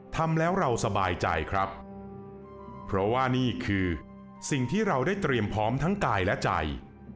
ทำแล้วเราสบายใจครับเพราะว่านี่คือสิ่งที่เราได้เตรียมพร้อมทั้งกายและใจ